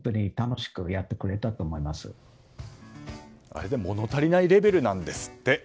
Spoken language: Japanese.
あれで物足りないレベルなんですって。